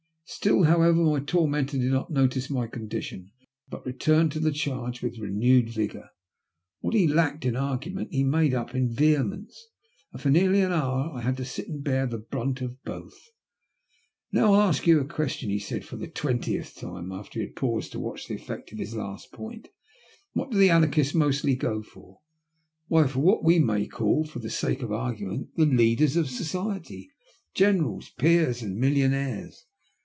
Still, however, my tormentor did not notice my condition, but returned to the charge with renewed vigour. What he lacked in argument he made up in vehemence. And for nearly an hour I had to sit and bear the brunt of both. "Now, I'll ask you a question," he said for the twentieth time, after he had paused to watch the effect of his last point. " Who do the Anarchists mostly go for? Why for what we may call, for the sake of argument, the leaders of Society — generals, peers, and milUonaires.